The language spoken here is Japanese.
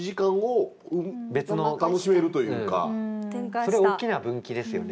それ大きな分岐ですよね。